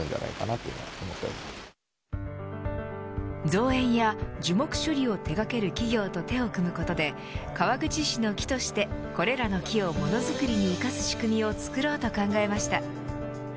造園や樹木処理を手掛ける企業と手を組むことで川口市の木としてこれらの木をものづくりに生かす仕組みを作ろうと考えました。